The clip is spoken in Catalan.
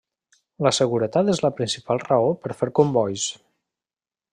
La seguretat és la principal raó per fer combois.